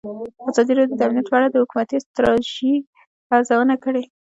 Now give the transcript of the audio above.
ازادي راډیو د امنیت په اړه د حکومتي ستراتیژۍ ارزونه کړې.